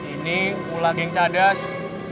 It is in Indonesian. ini pula geng cadas